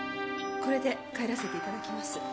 これで帰らせていただきます。